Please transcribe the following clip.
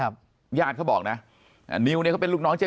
ปากกับภาคภูมิ